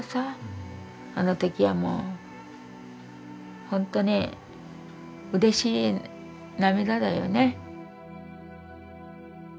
あの時はもう本当にうれしい涙だよね。